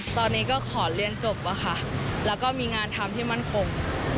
ตอนนี้ก็ขอเรียนจบอะค่ะแล้วก็มีงานทำที่มั่นคง